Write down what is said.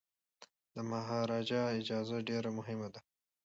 د مهاراجا اجازه ډیره مهمه ده.